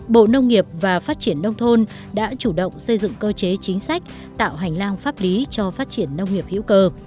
bộ nông nghiệp và phát triển nông thôn đã chủ động xây dựng cơ chế chính sách tạo hành lang pháp lý cho phát triển nông nghiệp hữu cơ